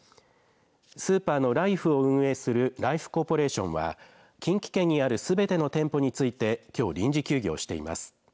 スーパーのライフを運営するライフコーポレーションは、近畿圏にあるすべての店舗についてきょう、臨時休業しています。